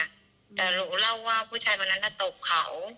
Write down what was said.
อ่ะแต่รู้เล่าว่าผู้ชายคนนั้นก็ตกเขา